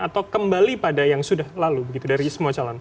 atau kembali pada yang sudah lalu begitu dari semua calon